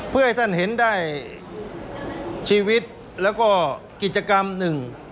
เพื่อให้ท่านเห็นได้ชีวิตแล้วก็กิจกรรมหนึ่ง